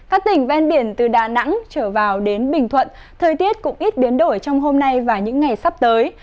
các tỉnh ven biển từ đà nẵng trở vào đến bình thuận thời tiết cũng ít biến đổi trong hôm nay và những ngày sắp tới